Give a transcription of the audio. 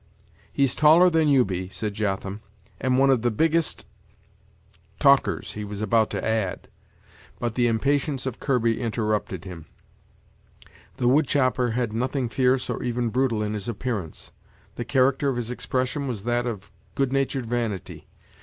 "He's taller than you be," said Jotham, "and one of the biggest " Talkers, he was about to add, but the impatience of Kirby interrupted him. The wood chopper had nothing fierce or even brutal in his appearance; the character of his expression was that of good natured vanity.